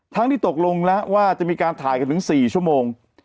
ที่ตกลงแล้วว่าจะมีการถ่ายกันถึง๔ชั่วโมง